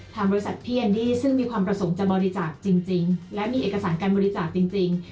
บริษัทพี่แอนดี้ซึ่งมีความประสงค์จะบริจาคจริงและมีเอกสารการบริจาคจริง